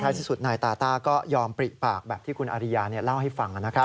แล้วท้ายสุดนายตาต้าก็ยอมปริปากแบบที่คุณอริยาเนี่ยเล่าให้ฟังนะครับ